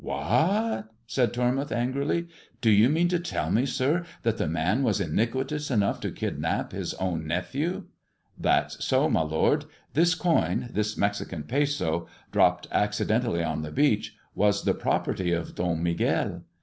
" Wh a t !" said Tormouth angrily. " Do you mean to tell me, sir, that the man was iniquitous enough to kidnap his own nephew? " "That's so, my lord. This coin — this Mexican peso dropped accidentally on the beach, was the property of Don Miguel."